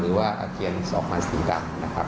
หรือว่าอาเจียนออกมาสีดำนะครับ